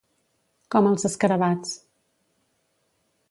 Com els escarabats.